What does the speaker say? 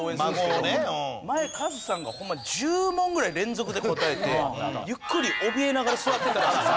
前カズさんがホンマに１０問ぐらい連続で答えてゆっくりおびえながら座ってたらしいです。